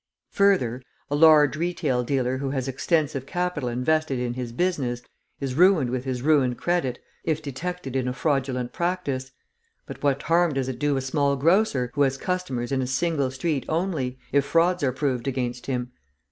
Further, a large retail dealer who has extensive capital invested in his business is ruined with his ruined credit if detected in a fraudulent practice; but what harm does it do a small grocer, who has customers in a single street only, if frauds are proved against him?